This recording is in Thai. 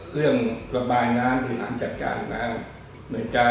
เรื่องระบายน้ำอื่นหารจัดการน้ำ